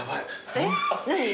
えっ何？